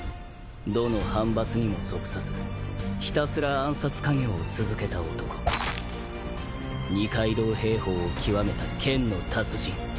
どの藩閥にも属さずひたすら暗殺稼業を続けた男二階堂平法を極めた剣の達人